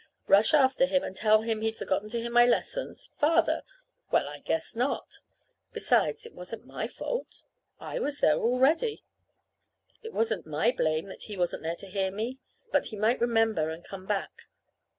Rush after him and tell him he'd forgotten to hear my lessons? Father? Well, I guess not! Besides, it wasn't my fault. I was there all ready. It wasn't my blame that he wasn't there to hear me. But he might remember and come back.